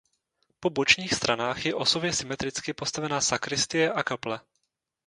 Po bočních stranách je osově symetricky postavena sakristie a kaple.